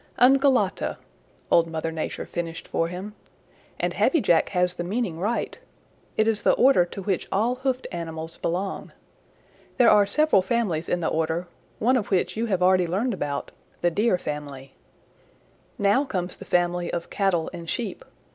"Ungulata," Old Mother Nature finished for him. "And Happy Jack has the meaning right. It is the order to which all hoofed animals belong. There are several families in the order, one of which you already have learned about the Deer family. Now comes the family of Cattle and Sheep.